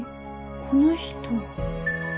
この人。